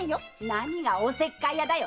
何が「おせっかい屋」だよ。